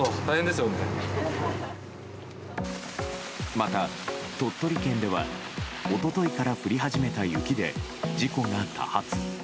また鳥取県では一昨日から降り始めた雪で事故が多発。